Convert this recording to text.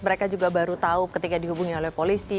mereka juga baru tahu ketika dihubungi oleh polisi